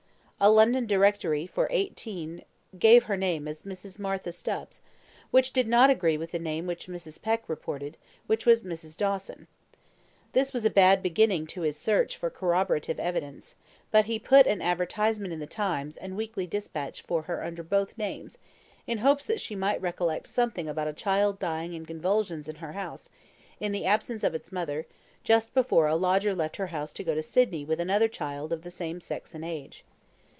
A London Directory for 18 gave her name as Mrs. Martha Stubbs, which did not agree with the name which Mrs. Peck reported, which was Mrs. Dawson. This was a bad beginning to his search for corroborative evidence; but he put an advertisement in the TIMES and WEEKLY DISPATCH for her under both names, in hopes that she might recollect something about a child dying in convulsions in her house, in the absence of its mother, just before a lodger left her house to go to Sydney with another child of the same sex and age.